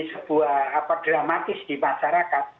sebuah dramatis di masyarakat